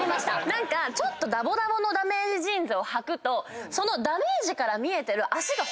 ちょっとダボダボのダメージジーンズをはくとそのダメージから見えてる。